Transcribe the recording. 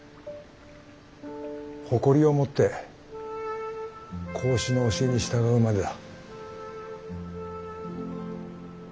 誇りを持って孔子の教えに従うまでだ。